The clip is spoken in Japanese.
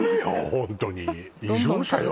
ホントに異常者よ